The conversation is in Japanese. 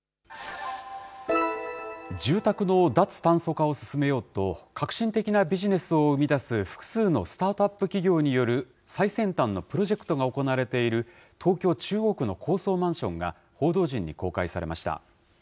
住宅の脱炭素化を進めようと、革新的なビジネスを生み出す複数のスタートアップ企業による最先端のプロジェクトが行われている東京・中央区の高層マンションが報道陣に公開されました。